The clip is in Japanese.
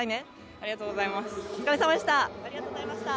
ありがとうございます。